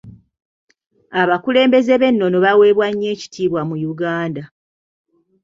Abakulembeze b'ennono baweebwa nnyo ekitiibwa mu Uganda.